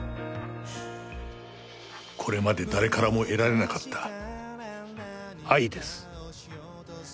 これまで誰からも得られなかった愛です。